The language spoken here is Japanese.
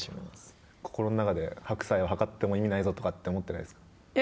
心の中で白菜をはかっても意味ないぞとか思ってないですか。